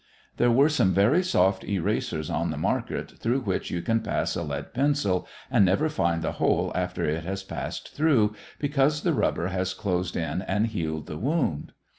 There are some very soft erasers on the market through which you can pass a lead pencil and never find the hole after it has passed through, because the rubber has closed in and healed the wound.